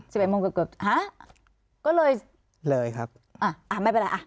สิบเอ็ดโมงเกือบเกือบฮะก็เลยเลยครับอ่ะไม่เป็นไรอ่ะ